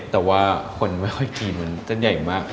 แต่ว่าคนไม่ค่อยกินมันจะใหญ่มาก